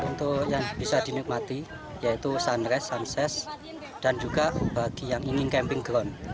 hai untuk yang bisa dinikmati yaitu shurer sanches dan juga bagi yang ingin camping ground